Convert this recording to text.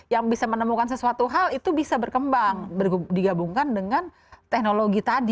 yang bisa menemukan sesuatu hal itu bisa berkembang digabungkan dengan teknologi tadi